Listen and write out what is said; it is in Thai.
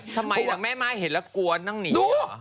ทำไมนะเม่มายเห็นแล้วกลัวต้องหนีหรอ